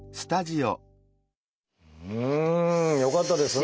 うん！よかったですね！